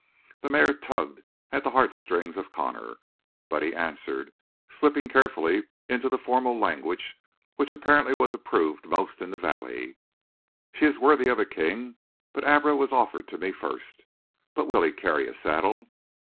The mare tugged at the heartstrings of Connor, but he answered, slipping carefully into the formal language which apparently was approved most in the valley. "She is worthy of a king, but Abra was offered to me first. But will he carry a saddle?"